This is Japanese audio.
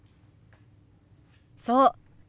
そう。